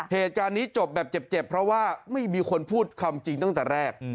เหตุการณ์นี้จบแบบเจ็บเพราะว่าไม่มีคนพูดคำจริงตั้งแต่แรก